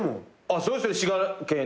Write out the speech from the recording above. そうですよね滋賀県ね。